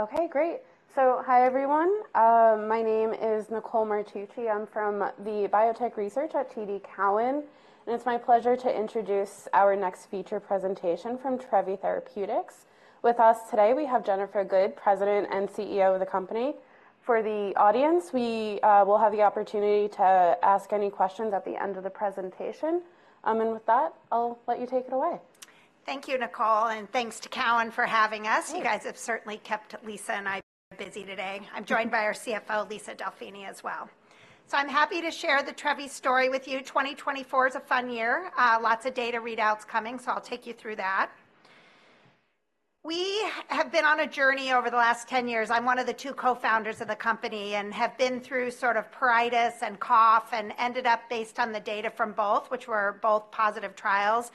Okay, great. So hi everyone, my name is Nicole Martucci. I'm from the biotech research at TD Cowen, and it's my pleasure to introduce our next feature presentation from Trevi Therapeutics. With us today we have Jennifer Good, President and CEO of the company. For the audience, we will have the opportunity to ask any questions at the end of the presentation, and with that I'll let you take it away. Thank you, Nicole, and thanks to Cowen for having us. You guys have certainly kept Lisa and I busy today. I'm joined by our CFO, Lisa Delfini, as well. So I'm happy to share the Trevi story with you. 2024 is a fun year, lots of data readouts coming, so I'll take you through that. We have been on a journey over the last 10 years. I'm one of the two co-founders of the company and have been through sort of pruritus and cough and ended up based on the data from both, which were both positive trials.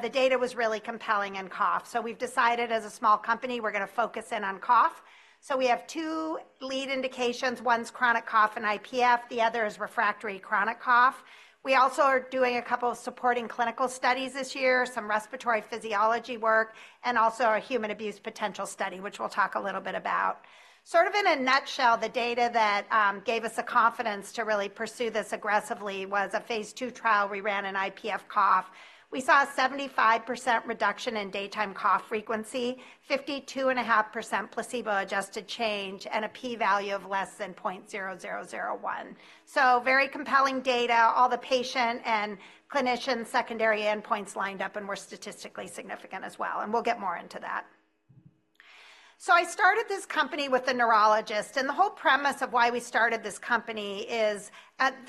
The data was really compelling in cough, so we've decided as a small company we're going to focus in on cough. So we have two lead indications. One's chronic cough and IPF, the other is refractory chronic cough. We also are doing a couple of supporting clinical studies this year, some respiratory physiology work, and also a human abuse potential study, which we'll talk a little bit about. Sort of in a nutshell, the data that gave us the confidence to really pursue this aggressively was a Phase II trial we ran in IPF cough. We saw a 75% reduction in daytime cough frequency, 52.5% placebo-adjusted change, and a p-value of less than 0.0001. So very compelling data, all the patient and clinician secondary endpoints lined up and were statistically significant as well, and we'll get more into that. So I started this company with a neurologist, and the whole premise of why we started this company is,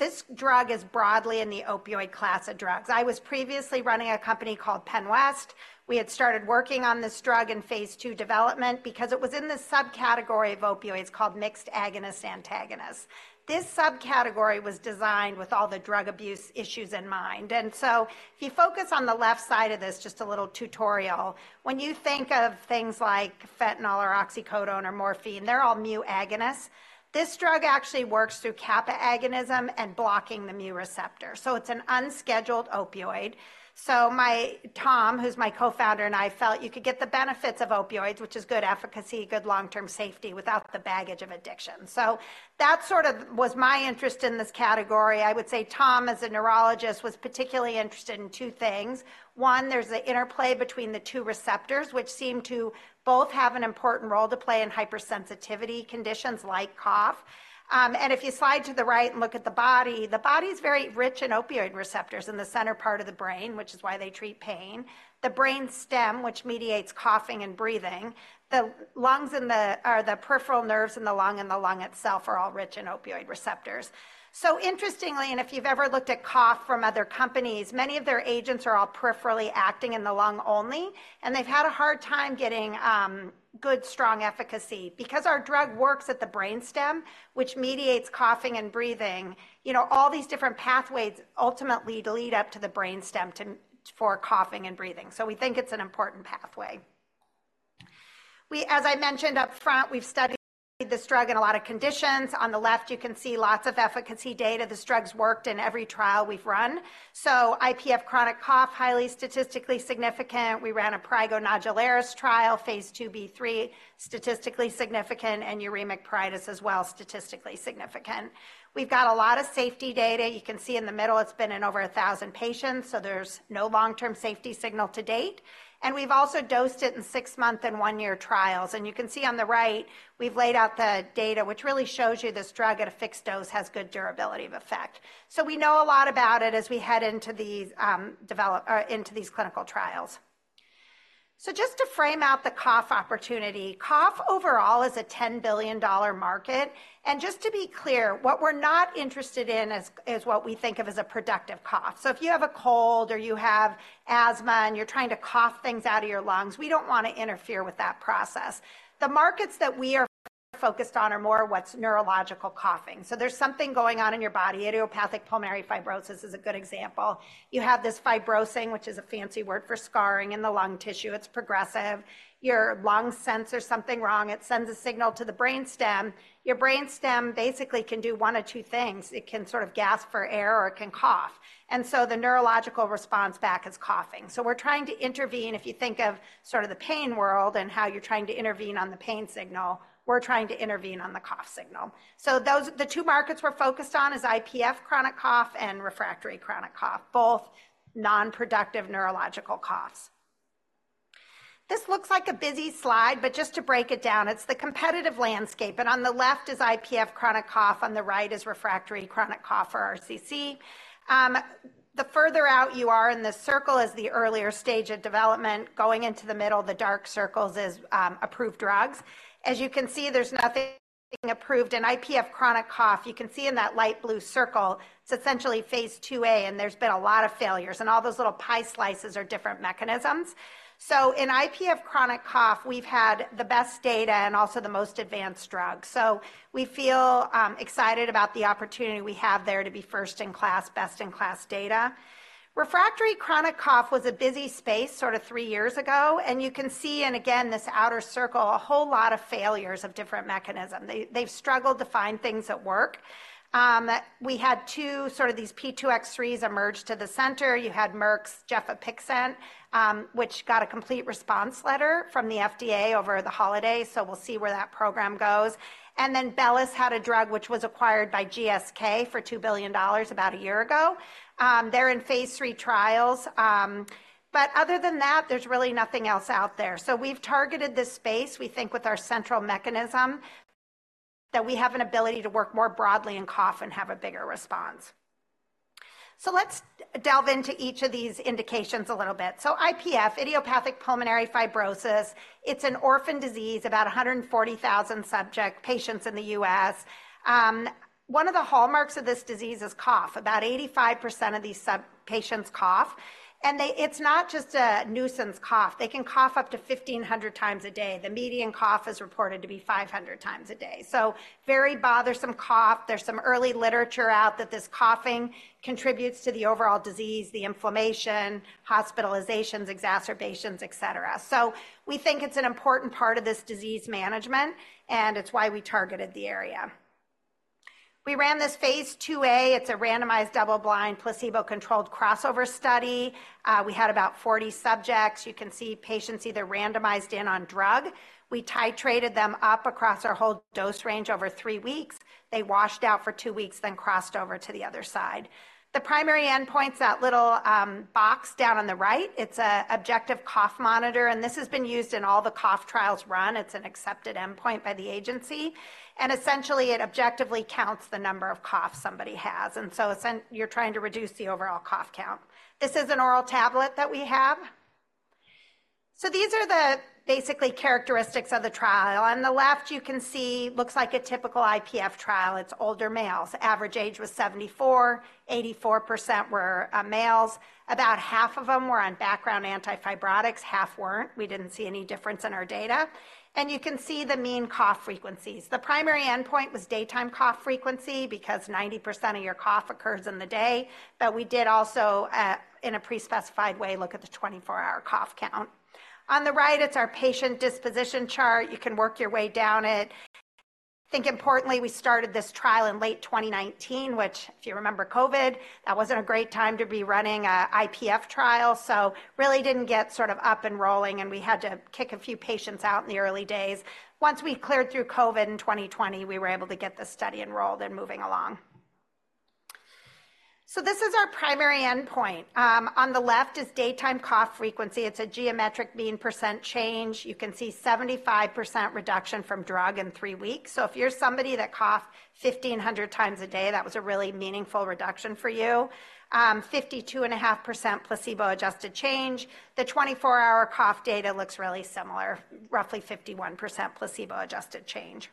this drug is broadly in the opioid class of drugs. I was previously running a company called Penwest. We had started working on this drug in Phase II development because it was in this subcategory of opioids called mixed agonist-antagonist. This subcategory was designed with all the drug abuse issues in mind, and so if you focus on the left side of this, just a little tutorial, when you think of things like fentanyl or oxycodone or morphine, they're all mu-agonist. This drug actually works through kappa agonism and blocking the mu receptor, so it's an unscheduled opioid. So my Tom, who's my co-founder, and I felt you could get the benefits of opioids, which is good efficacy, good long-term safety without the baggage of addiction. So that sort of was my interest in this category. I would say Tom, as a neurologist, was particularly interested in two things. One, there's the interplay between the two receptors, which seem to both have an important role to play in hypersensitivity conditions like cough. If you slide to the right and look at the body, the body's very rich in opioid receptors in the center part of the brain, which is why they treat pain. The brain stem, which mediates coughing and breathing, the lungs and the peripheral nerves in the lung and the lung itself are all rich in opioid receptors. So interestingly, if you've ever looked at cough from other companies, many of their agents are all peripherally acting in the lung only, and they've had a hard time getting good strong efficacy. Because our drug works at the brain stem, which mediates coughing and breathing, you know, all these different pathways ultimately lead up to the brain stem to, for coughing and breathing, so we think it's an important pathway. We, as I mentioned up front, we've studied this drug in a lot of conditions. On the left you can see lots of efficacy data. This drug's worked in every trial we've run. So IPF chronic cough, highly statistically significant. We ran prurigo nodularis trial, Phase IIb, statistically significant, and uremic pruritus as well, statistically significant. We've got a lot of safety data. You can see in the middle it's been in over 1,000 patients, so there's no long-term safety signal to date. We've also dosed it in 6-month and 1-year trials, and you can see on the right we've laid out the data, which really shows you this drug at a fixed dose has good durability of effect. So we know a lot about it as we head into these, develop, into these clinical trials. So just to frame out the cough opportunity, cough overall is a $10 billion market, and just to be clear, what we're not interested in is what we think of as a productive cough. So if you have a cold or you have asthma and you're trying to cough things out of your lungs, we don't want to interfere with that process. The markets that we are focused on are more what's neurological coughing. So there's something going on in your body. Idiopathic pulmonary fibrosis is a good example. You have this fibrosing, which is a fancy word for scarring in the lung tissue. It's progressive. Your lung senses something wrong. It sends a signal to the brain stem. Your brain stem basically can do one of two things. It can sort of gasp for air or it can cough. And so the neurological response back is coughing. So we're trying to intervene. If you think of sort of the pain world and how you're trying to intervene on the pain signal, we're trying to intervene on the cough signal. So those, the two markets we're focused on is IPF chronic cough and refractory chronic cough, both non-productive neurological coughs. This looks like a busy slide, but just to break it down, it's the competitive landscape. And on the left is IPF chronic cough, on the right is refractory chronic cough for RCC. The further out you are in this circle is the earlier stage of development. Going into the middle, the dark circles is approved drugs. As you can see, there's nothing approved. In IPF chronic cough, you can see in that light blue circle, it's essentially Phase IIa, and there's been a lot of failures, and all those little pie slices are different mechanisms. So in IPF chronic cough, we've had the best data and also the most advanced drugs. So we feel excited about the opportunity we have there to be first in class, best in class data. Refractory chronic cough was a busy space sort of three years ago, and you can see, and again, this outer circle, a whole lot of failures of different mechanisms. They've struggled to find things that work. We had two sort of these P2X3s emerge to the center. You had Merck's gefapixant, which got a complete response letter from the FDA over the holiday, so we'll see where that program goes. And then Bellus had a drug which was acquired by GSK for $2 billion about a year ago. They're in phase 3 trials, but other than that, there's really nothing else out there. So we've targeted this space, we think, with our central mechanism that we have an ability to work more broadly in cough and have a bigger response. So let's delve into each of these indications a little bit. So IPF, idiopathic pulmonary fibrosis, it's an orphan disease, about 140,000 subjects, patients in the U.S. One of the hallmarks of this disease is cough. About 85% of these such patients cough, and they, it's not just a nuisance cough. They can cough up to 1,500 times a day. The median cough is reported to be 500 times a day. So very bothersome cough. There's some early literature out that this coughing contributes to the overall disease, the inflammation, hospitalizations, exacerbations, etc. So we think it's an important part of this disease management, and it's why we targeted the area. We ran this Phase IIa. It's a randomized double-blind placebo-controlled crossover study. We had about 40 subjects. You can see patients either randomized in on drug. We titrated them up across our whole dose range over three weeks. They washed out for two weeks, then crossed over to the other side. The primary endpoints, that little box down on the right, it's an objective cough monitor, and this has been used in all the cough trials run. It's an accepted endpoint by the agency, and essentially it objectively counts the number of coughs somebody has. So essentially you're trying to reduce the overall cough count. This is an oral tablet that we have. So these are the basically characteristics of the trial. On the left you can see looks like a typical IPF trial. It's older males. Average age was 74. 84% were males. About half of them were on background antifibrotics, half weren't. We didn't see any difference in our data. And you can see the mean cough frequencies. The primary endpoint was daytime cough frequency because 90% of your cough occurs in the day, but we did also, in a pre-specified way, look at the 24-hour cough count. On the right it's our patient disposition chart. You can work your way down it. I think importantly we started this trial in late 2019, which, if you remember COVID, that wasn't a great time to be running an IPF trial, so really didn't get sort of up and rolling, and we had to kick a few patients out in the early days. Once we cleared through COVID in 2020, we were able to get this study enrolled and moving along. So this is our primary endpoint. On the left is daytime cough frequency. It's a geometric mean percent change. You can see 75% reduction from drug in three weeks. So if you're somebody that coughed 1,500 times a day, that was a really meaningful reduction for you. 52.5% placebo-adjusted change. The 24-hour cough data looks really similar, roughly 51% placebo-adjusted change.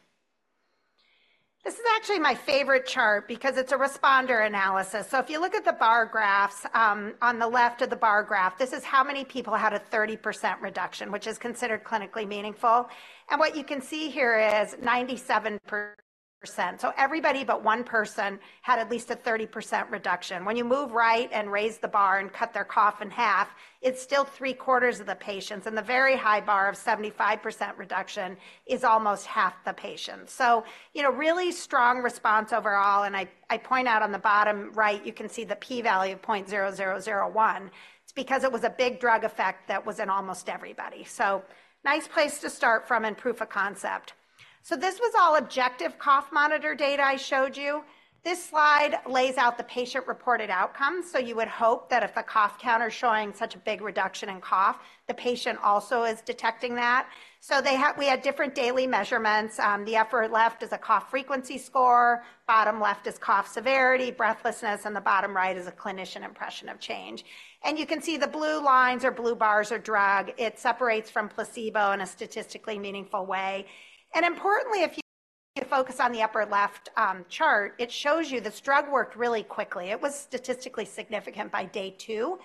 This is actually my favorite chart because it's a responder analysis. So if you look at the bar graphs, on the left of the bar graph, this is how many people had a 30% reduction, which is considered clinically meaningful. And what you can see here is 97%. So everybody but one person had at least a 30% reduction. When you move right and raise the bar and cut their cough in half, it's still three-quarters of the patients, and the very high bar of 75% reduction is almost half the patients. So, you know, really strong response overall, and I point out on the bottom right you can see the p-value of 0.0001. It's because it was a big drug effect that was in almost everybody. So nice place to start from and proof of concept. So this was all objective cough monitor data I showed you. This slide lays out the patient reported outcomes. So you would hope that if the cough count is showing such a big reduction in cough, the patient also is detecting that. So we had different daily measurements. The upper left is a cough frequency score. The bottom left is cough severity, breathlessness, and the bottom right is a clinician impression of change. And you can see the blue lines or blue bars are drug. It separates from placebo in a statistically meaningful way. And importantly, if you focus on the upper left chart, it shows you this drug worked really quickly. It was statistically significant by day two.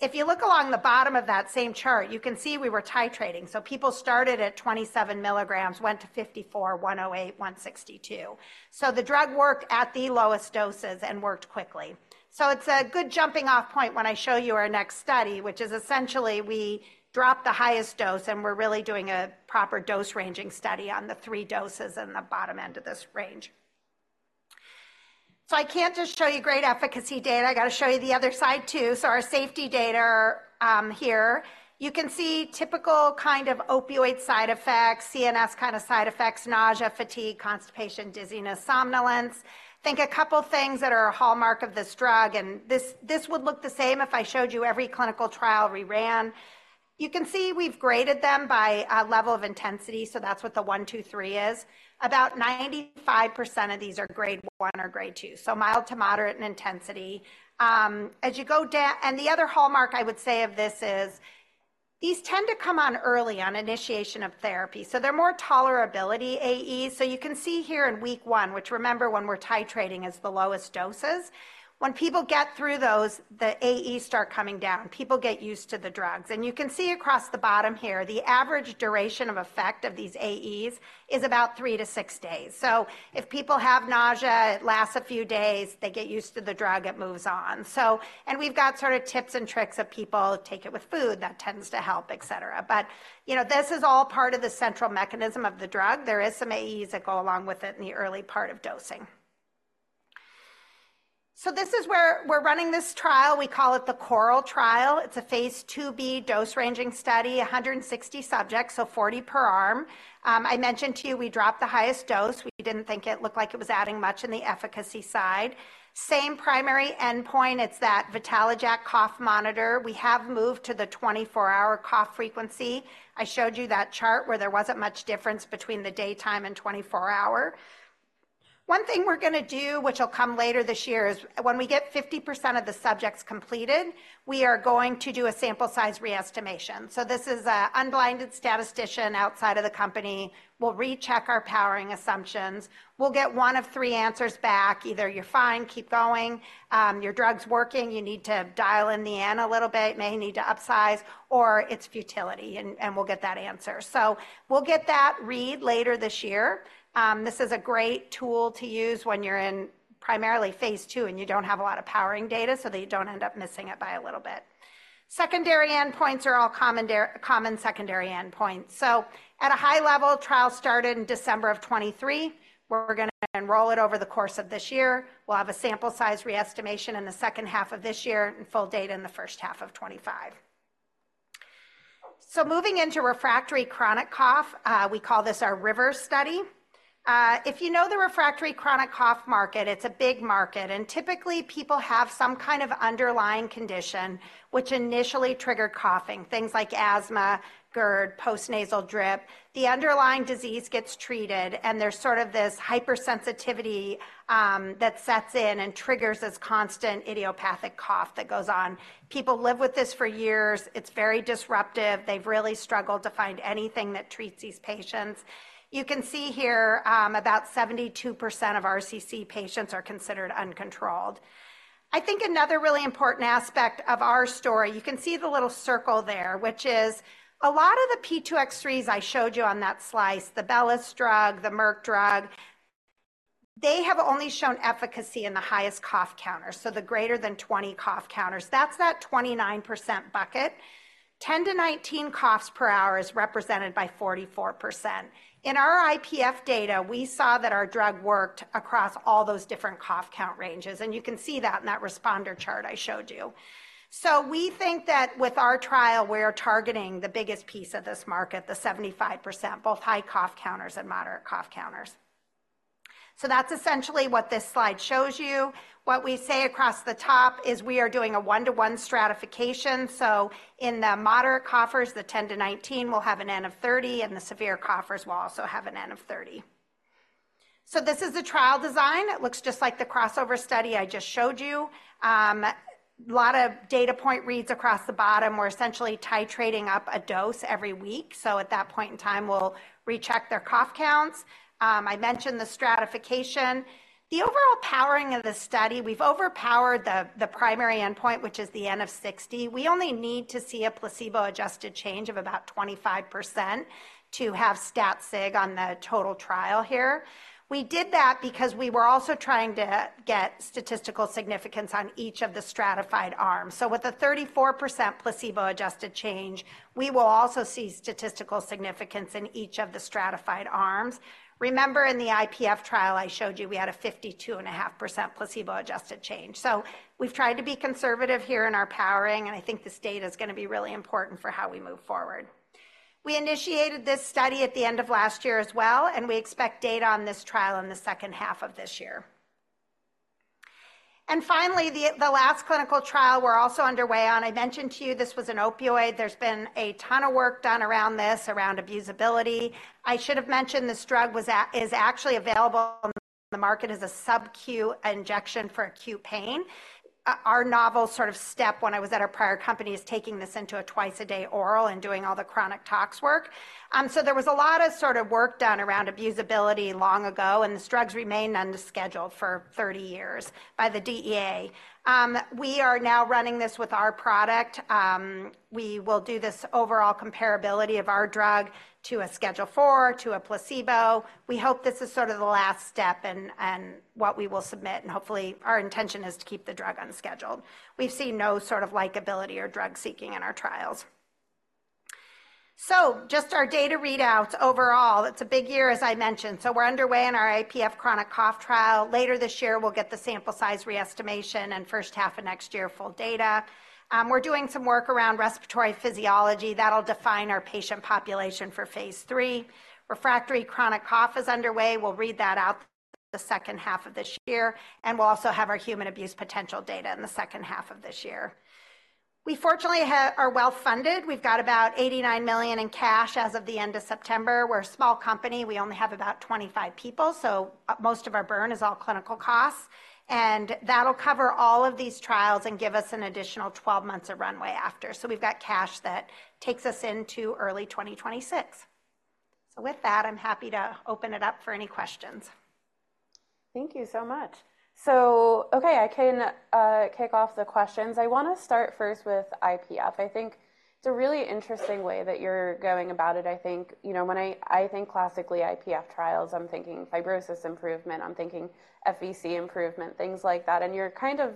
If you look along the bottom of that same chart, you can see we were titrating. So people started at 27 milligrams, went to 54, 108, 162. So the drug worked at the lowest doses and worked quickly. So it's a good jumping-off point when I show you our next study, which is essentially we dropped the highest dose and we're really doing a proper dose ranging study on the 3 doses in the bottom end of this range. So I can't just show you great efficacy data. I got to show you the other side too. So our safety data, here, you can see typical kind of opioid side effects, CNS kind of side effects, nausea, fatigue, constipation, dizziness, somnolence. Think a couple things that are a hallmark of this drug, and this, this would look the same if I showed you every clinical trial we ran. You can see we've graded them by a level of intensity, so that's what the 1, 2, 3 is. About 95% of these are grade 1 or grade 2, so mild to moderate in intensity. As you go down, and the other hallmark I would say of this is these tend to come on early on initiation of therapy, so they're more tolerability AE. So you can see here in week 1, which remember when we're titrating is the lowest doses. When people get through those, the AEs start coming down. People get used to the drugs. And you can see across the bottom here, the average duration of effect of these AEs is about 3-6 days. So if people have nausea, it lasts a few days, they get used to the drug, it moves on. So, and we've got sort of tips and tricks of people take it with food, that tends to help, etc. But, you know, this is all part of the central mechanism of the drug. There are some AEs that go along with it in the early part of dosing. So this is where we're running this trial. We call it the CORAL trial. It's a Phase IIb dose ranging study, 160 subjects, so 40 per arm. I mentioned to you we dropped the highest dose. We didn't think it looked like it was adding much in the efficacy side. Same primary endpoint. It's that VitaloJAK cough monitor. We have moved to the 24-hour cough frequency. I showed you that chart where there wasn't much difference between the daytime and 24-hour. One thing we're going to do, which will come later this year, is when we get 50% of the subjects completed, we are going to do a sample size reestimation. So this is an unblinded statistician outside of the company. We'll recheck our powering assumptions. We'll get one of three answers back. Either you're fine, keep going, your drug's working, you need to dial in the N a little bit, may need to upsize, or it's futility, and we'll get that answer. So we'll get that read later this year. This is a great tool to use when you're in primarily Phase II and you don't have a lot of powering data so that you don't end up missing it by a little bit. Secondary endpoints are all common, common secondary endpoints. So at a high level, trial started in December 2023. We're going to enroll it over the course of this year. We'll have a sample size reestimation in the second half of this year and full data in the first half of 2025. So moving into refractory chronic cough, we call this our RIVER study. If you know the refractory chronic cough market, it's a big market, and typically people have some kind of underlying condition which initially triggered coughing, things like asthma, GERD, postnasal drip. The underlying disease gets treated, and there's sort of this hypersensitivity, that sets in and triggers this constant idiopathic cough that goes on. People live with this for years. It's very disruptive. They've really struggled to find anything that treats these patients. You can see here, about 72% of RCC patients are considered uncontrolled. I think another really important aspect of our story, you can see the little circle there, which is a lot of the P2X3s I showed you on that slice, the Bellus drug, the Merck drug, they have only shown efficacy in the highest cough counter. So the greater than 20 cough counters, that's that 29% bucket. 10 to 19 coughs per hour is represented by 44%. In our IPF data, we saw that our drug worked across all those different cough count ranges, and you can see that in that responder chart I showed you. So we think that with our trial, we're targeting the biggest piece of this market, the 75%, both high cough counters and moderate cough counters. So that's essentially what this slide shows you. What we say across the top is we are doing a one-to-one stratification. So in the moderate coughers, the 10 to 19 will have an N of 30, and the severe coughers will also have an N of 30. So this is the trial design. It looks just like the crossover study I just showed you. A lot of data point reads across the bottom. We're essentially titrating up a dose every week. So at that point in time, we'll recheck their cough counts. I mentioned the stratification. The overall powering of the study, we've overpowered the primary endpoint, which is the N of 60. We only need to see a placebo-adjusted change of about 25% to have stat sig on the total trial here. We did that because we were also trying to get statistical significance on each of the stratified arms. So with a 34% placebo-adjusted change, we will also see statistical significance in each of the stratified arms. Remember in the IPF trial I showed you, we had a 52.5% placebo-adjusted change. So we've tried to be conservative here in our powering, and I think this data is going to be really important for how we move forward. We initiated this study at the end of last year as well, and we expect data on this trial in the second half of this year. Finally, the last clinical trial we're also underway on, I mentioned to you, this was an opioid. There's been a ton of work done around this, around abusability. I should have mentioned this drug was actually available on the market as a sub-Q injection for acute pain. Our novel sort of step when I was at our prior company is taking this into a twice-a-day oral and doing all the chronic tox work. So there was a lot of sort of work done around abusability long ago, and the drugs remain unscheduled for 30 years by the DEA. We are now running this with our product. We will do this overall comparability of our drug to a Schedule IV, to a placebo. We hope this is sort of the last step and what we will submit, and hopefully our intention is to keep the drug unscheduled. We've seen no sort of likelihood or drug seeking in our trials. So just our data readouts overall, it's a big year, as I mentioned. So we're underway in our IPF chronic cough trial. Later this year, we'll get the sample size reestimation and first half of next year full data. We're doing some work around respiratory physiology that'll define our patient population for phase three. Refractory chronic cough is underway. We'll read that out the second half of this year, and we'll also have our human abuse potential data in the second half of this year. We fortunately are well funded. We've got about $89 million in cash as of the end of September. We're a small company. We only have about 25 people, so most of our burn is all clinical costs. That'll cover all of these trials and give us an additional 12 months of runway after. We've got cash that takes us into early 2026. With that, I'm happy to open it up for any questions. Thank you so much. Okay, I can kick off the questions. I want to start first with IPF. I think it's a really interesting way that you're going about it. I think, you know, when I think classically IPF trials, I'm thinking fibrosis improvement, I'm thinking FVC improvement, things like that. And you're kind of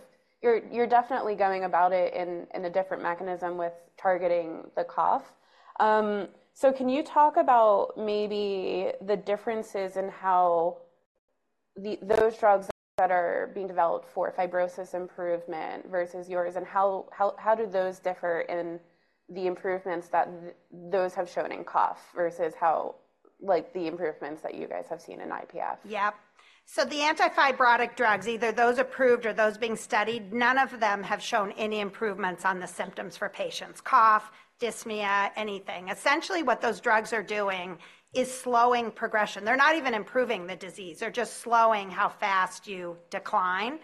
definitely going about it in a different mechanism with targeting the cough. So can you talk about maybe the differences in how the, those drugs that are being developed for fibrosis improvement versus yours, and how, how, how do those differ in the improvements that those have shown in cough versus how, like the improvements that you guys have seen in IPF? Yep. So the antifibrotic drugs, either those approved or those being studied, none of them have shown any improvements on the symptoms for patients' cough, dyspnea, anything. Essentially, what those drugs are doing is slowing progression. They're not even improving the disease. They're just slowing how fast you decline.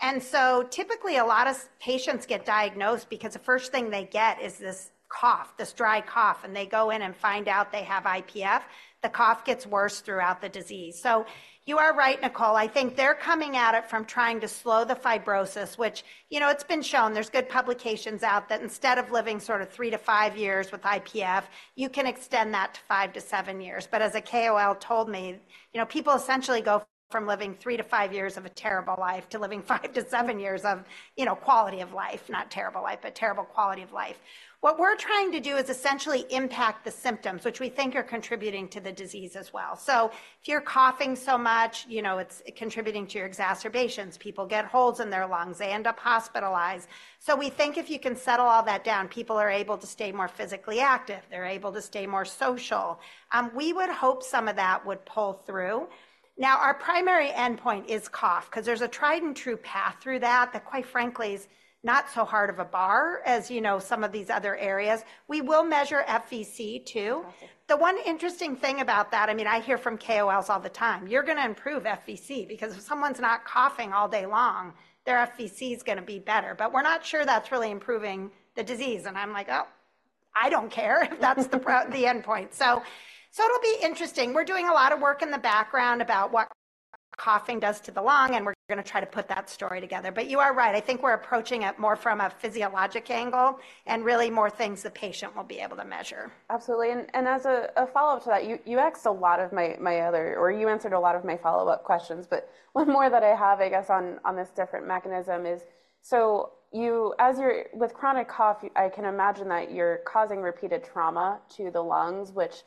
And so typically a lot of patients get diagnosed because the first thing they get is this cough, this dry cough, and they go in and find out they have IPF. The cough gets worse throughout the disease. So you are right, Nicole. I think they're coming at it from trying to slow the fibrosis, which, you know, it's been shown. There's good publications out that instead of living sort of 3-5 years with IPF, you can extend that to 5-7 years. But as a KOL told me, you know, people essentially go from living 3-5 years of a terrible life to living 5-7 years of, you know, quality of life, not terrible life, but terrible quality of life. What we're trying to do is essentially impact the symptoms, which we think are contributing to the disease as well. So if you're coughing so much, you know, it's contributing to your exacerbations. People get holes in their lungs. They end up hospitalized. So we think if you can settle all that down, people are able to stay more physically active. They're able to stay more social. We would hope some of that would pull through. Now, our primary endpoint is cough because there's a tried and true path through that that quite frankly is not so hard of a bar as, you know, some of these other areas. We will measure FVC too. The one interesting thing about that, I mean, I hear from KOLs all the time, you're going to improve FVC because if someone's not coughing all day long, their FVC is going to be better. But we're not sure that's really improving the disease. And I'm like, oh, I don't care if that's the endpoint. So, it'll be interesting. We're doing a lot of work in the background about what coughing does to the lung, and we're going to try to put that story together. But you are right. I think we're approaching it more from a physiologic angle and really more things the patient will be able to measure. Absolutely. And as a follow-up to that, you asked a lot of my other, or you answered a lot of my follow-up questions, but one more that I have, I guess, on this different mechanism is, so you, as you're with chronic cough, I can imagine that you're causing repeated trauma to the lungs, which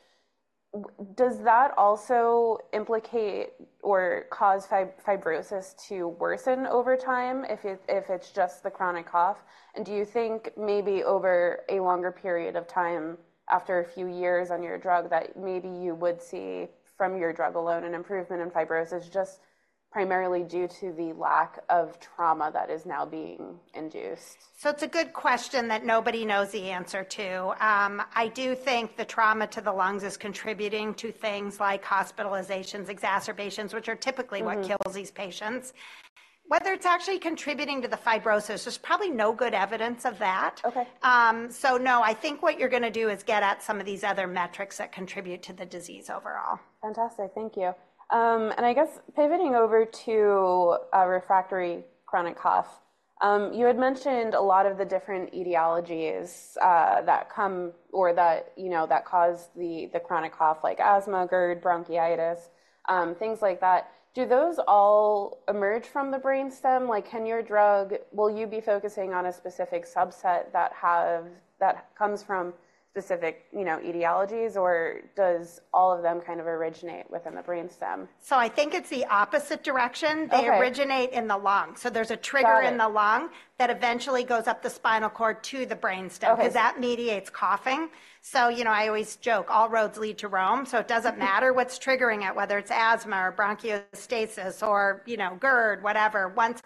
does that also implicate or cause fibrosis to worsen over time if it's just the chronic cough? And do you think maybe over a longer period of time after a few years on your drug that maybe you would see from your drug alone an improvement in fibrosis just primarily due to the lack of trauma that is now being induced? So it's a good question that nobody knows the answer to. I do think the trauma to the lungs is contributing to things like hospitalizations, exacerbations, which are typically what kills these patients. Whether it's actually contributing to the fibrosis, there's probably no good evidence of that. Okay. So no, I think what you're going to do is get at some of these other metrics that contribute to the disease overall. Fantastic. Thank you. I guess pivoting over to refractory chronic cough. You had mentioned a lot of the different etiologies, that come or that, you know, that cause the chronic cough, like asthma, GERD, bronchitis, things like that. Do those all emerge from the brainstem? Like, can your drug, will you be focusing on a specific subset that have, that comes from specific, you know, etiologies, or does all of them kind of originate within the brainstem? So I think it's the opposite direction. They originate in the lung. So there's a trigger in the lung that eventually goes up the spinal cord to the brainstem because that mediates coughing. So, you know, I always joke, all roads lead to Rome. So it doesn't matter what's triggering it, whether it's asthma or bronchiectasis or, you know, GERD, whatever. Once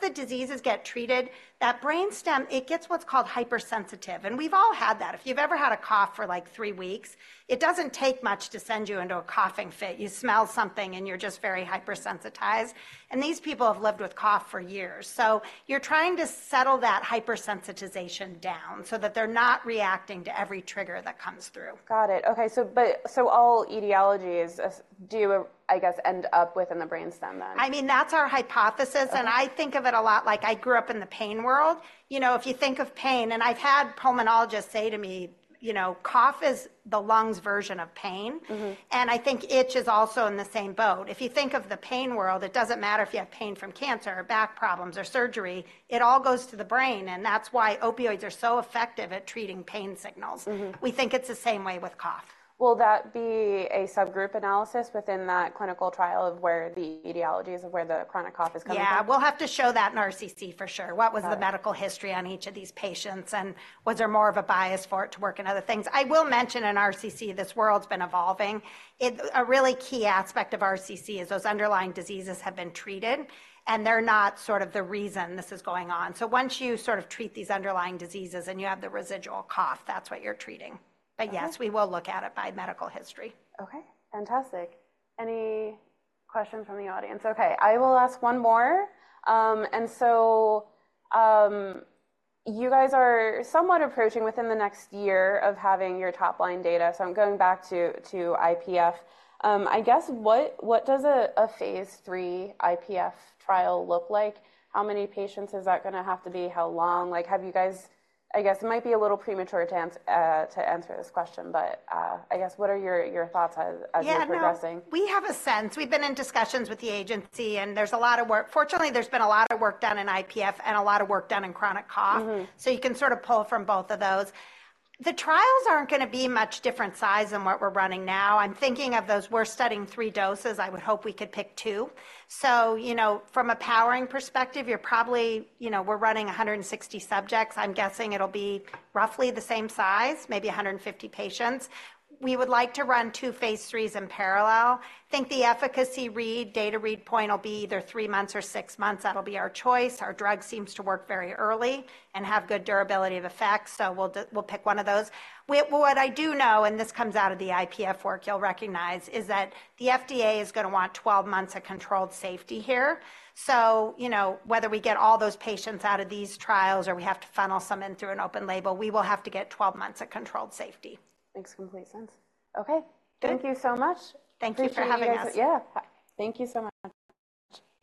the diseases get treated, that brainstem, it gets what's called hypersensitive. And we've all had that. If you've ever had a cough for like three weeks, it doesn't take much to send you into a coughing fit. You smell something and you're just very hypersensitized. And these people have lived with cough for years. So you're trying to settle that hypersensitization down so that they're not reacting to every trigger that comes through. Got it. Okay. So, but so all etiologies do, I guess, end up within the brainstem then? I mean, that's our hypothesis. I think of it a lot like I grew up in the pain world. You know, if you think of pain, and I've had pulmonologists say to me, you know, cough is the lung's version of pain. I think itch is also in the same boat. If you think of the pain world, it doesn't matter if you have pain from cancer or back problems or surgery, it all goes to the brain. That's why opioids are so effective at treating pain signals. We think it's the same way with cough. Will that be a subgroup analysis within that clinical trial of where the etiologies of where the chronic cough is coming from? Yeah, we'll have to show that in RCC for sure. What was the medical history on each of these patients? Was there more of a bias for it to work in other things? I will mention in RCC, this world's been evolving. A really key aspect of RCC is those underlying diseases have been treated and they're not sort of the reason this is going on. So once you sort of treat these underlying diseases and you have the residual cough, that's what you're treating. But yes, we will look at it by medical history. Okay. Fantastic. Any questions from the audience? Okay. I will ask 1 more. And so, you guys are somewhat approaching within the next year of having your top line data. So I'm going back to IPF. I guess what, what does a Phase III IPF trial look like? How many patients is that going to have to be? How long? Like, have you guys, I guess it might be a little premature to answer this question, but, I guess what are your thoughts as you're progressing? Yeah, no, we have a sense. We've been in discussions with the agency and there's a lot of work. Fortunately, there's been a lot of work done in IPF and a lot of work done in chronic cough. So you can sort of pull from both of those. The trials aren't going to be much different size than what we're running now. I'm thinking of those, we're studying 3 doses. I would hope we could pick two. So, you know, from a powering perspective, you're probably, you know, we're running 160 subjects. I'm guessing it'll be roughly the same size, maybe 150 patients. We would like to run two Phase IIIs in parallel. I think the efficacy read, data read point will be either 3 months or 6 months. That'll be our choice. Our drug seems to work very early and have good durability of effect. So we'll, we'll pick one of those. What I do know, and this comes out of the IPF work, you'll recognize, is that the FDA is going to want 12 months of controlled safety here. So, you know, whether we get all those patients out of these trials or we have to funnel some in through an open label, we will have to get 12 months of controlled safety. Makes complete sense. Okay. Thank you so much. Thank you for having us. Yeah. Thank you so much.